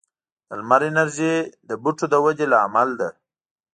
د لمر انرژي د بوټو د ودې لامل ده.